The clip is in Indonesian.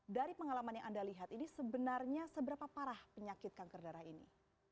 dari pengalaman yang anda lihat ini sebenarnya seberapa parah penyakit kanker darah ini